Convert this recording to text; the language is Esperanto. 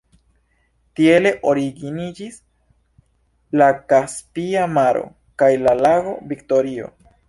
Tiele originiĝis la Kaspia Maro kaj la lago Viktorio.